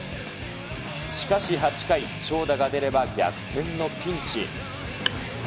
しかし８回、長打が出れば逆転のピンチ。